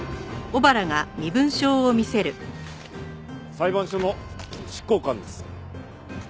裁判所の執行官です。